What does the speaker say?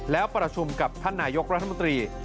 แล้วประชุมกับท่านนายกรัฐมนตรี